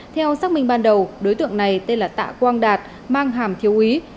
theo xác minh ban đầu đối tượng này tên là tạ quang đạt mang hàm thiếu úy